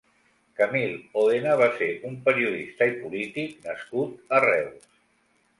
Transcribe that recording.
Camil Òdena va ser un periodista i polític nascut a Reus.